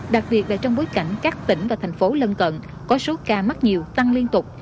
đặc biệt là trong bối cảnh các tỉnh và thành phố lân cận có số ca mắc nhiều tăng liên tục